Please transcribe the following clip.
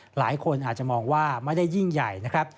หลายคนอาจจะมองว่าไม่ได้ยิ่งใหญ่นะครับ